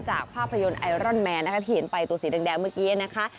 ภาพยนตร์ไอรอนแมนนะคะที่เห็นไปตัวสีแดงเมื่อกี้นะคะ